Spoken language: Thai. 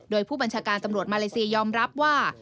โดยผู้บัญชาการตำรวจมาเลเซียยอมรับว่า